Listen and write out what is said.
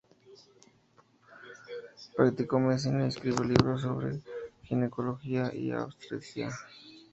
Practicó medicina y escribió libros sobre ginecología y obstetricia.